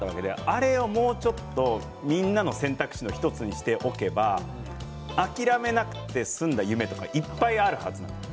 あれをもっとみんなの選択肢の１つにしておけば諦めなくて済んだ夢はいっぱいあるはずなんです。